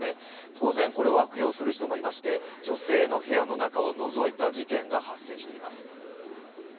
当然、これを悪用する人もいまして女性の部屋の中をのぞいた事件が発生しています。